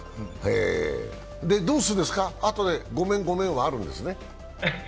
どうするんですか、あとでごめん、ごめんはあるんですね？